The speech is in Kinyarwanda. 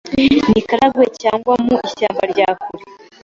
n’i Karagwe cyangwa mu ishyamba ryakure